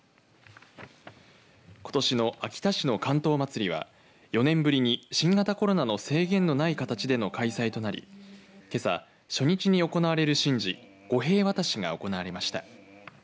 ことしの秋田市の竿燈まつりは４年ぶりに新型コロナの制限のない形での開催となり、けさ初日に行われる神事御幣渡しが行われました。